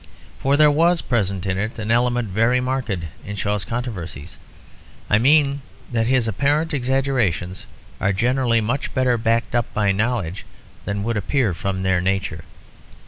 For there was present in it an element very marked in Shaw's controversies; I mean that his apparent exaggerations are generally much better backed up by knowledge than would appear from their nature.